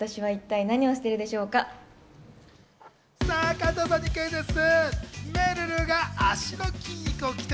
加藤さんにクイズッス！